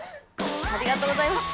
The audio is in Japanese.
ありがとうございます。